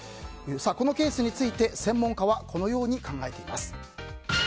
このケースについて専門家はこのように考えています。